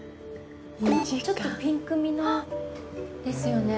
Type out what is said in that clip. ちょっとピンクみのですよね。